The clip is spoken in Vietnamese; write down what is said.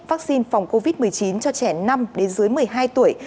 vaccine phòng covid một mươi chín cho trẻ năm đến dưới một mươi hai tuổi